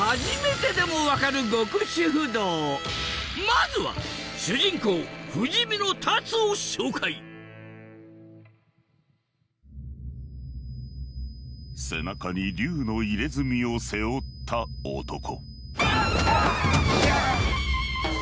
まずは主人公不死身の龍を紹介背中に龍の入れ墨を背負った男